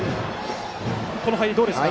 この入り、どうですか？